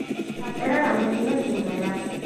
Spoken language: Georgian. დაწერა რამდენიმე სიმღერა.